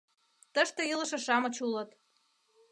— Тыште илыше-шамыч улыт.